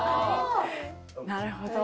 なるほど。